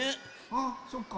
あそっか。